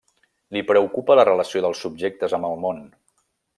Li preocupa la relació dels subjectes amb el món.